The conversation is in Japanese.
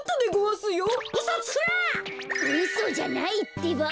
うそじゃないってば。